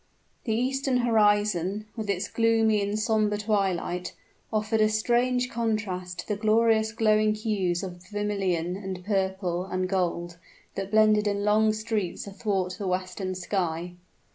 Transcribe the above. The eastern horizon, with its gloomy and somber twilight, offered a strange contrast to the glorious glowing hues of vermilion, and purple, and gold, that blended in long streaks athwart the western sky.